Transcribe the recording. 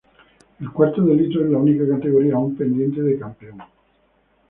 El cuarto de litro es la única categoría aún pendiente de campeón.